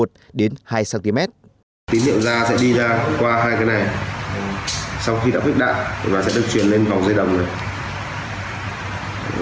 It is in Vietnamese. tín hiệu ra sẽ đi ra qua hai cái này sau khi đã khuyết đại nó sẽ được chuyển lên vòng dây đồng này